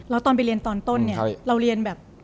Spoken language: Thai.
แล้วตอนไปเรียนตอนต้นเนี่ยเราเรียนแบบ